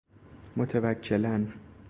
متوکلاً